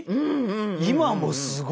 今もすごくない？